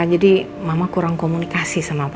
jadi mama kurang komunikasi sama papa